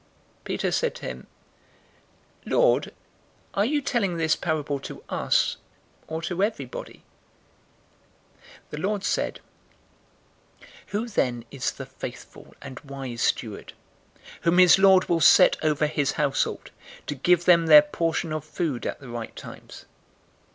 012:041 Peter said to him, "Lord, are you telling this parable to us, or to everybody?" 012:042 The Lord said, "Who then is the faithful and wise steward, whom his lord will set over his household, to give them their portion of food at the right times?